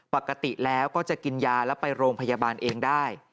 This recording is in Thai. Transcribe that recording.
ปกติแล้วก็จะกินยาแล้วไปโรงพยาบาลเองได้